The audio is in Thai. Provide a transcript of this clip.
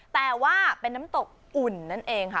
แต่ว่าเป็นน้ำตกอุ่นนั่นเองค่ะ